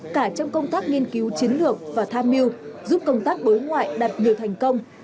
cả trong công tác nghiên cứu chiến lược và tham mưu giúp công tác đối ngoại đặt nhiều thành công